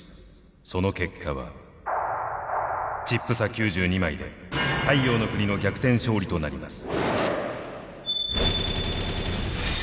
その結果はチップ差９２枚で太陽ノ国の逆転勝利となります。